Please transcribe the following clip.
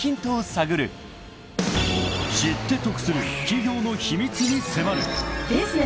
［知って得する企業の秘密に迫る］